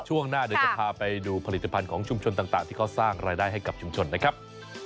ช่วงหน้าเดี๋ยวจะพาไปดูผลิตภัณฑ์ของชุมชนต่างที่เขาสร้างรายได้ให้กับชุมชนนะครับ